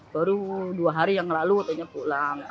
baru dua hari yang lalu katanya pulang